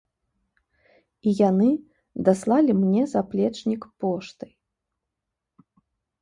І яны даслалі мне заплечнік поштай.